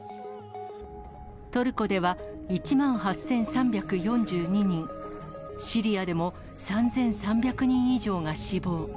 トルコでは１万８３４２人、シリアでも３３００人以上が死亡。